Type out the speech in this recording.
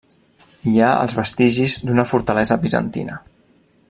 Hi ha els vestigis d'una fortalesa bizantina.